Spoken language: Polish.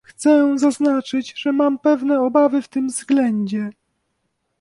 Chcę zaznaczyć, że mam pewne obawy w tym względzie